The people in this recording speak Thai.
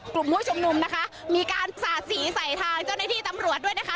กลุ่มผู้ชุมนุมนะคะมีการสาดสีใส่ทางเจ้าหน้าที่ตำรวจด้วยนะคะ